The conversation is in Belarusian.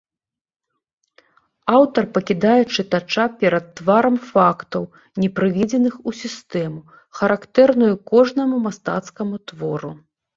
Аўтар пакідае чытача перад тварам фактаў, не прыведзеных у сістэму, характэрную кожнаму мастацкаму твору.